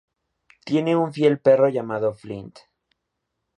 Tiene un fiel perro llamado Flint.